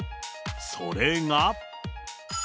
それが。